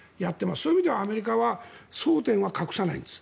そういう意味じゃアメリカは絶対に争点は隠さないんです。